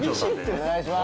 お願いします。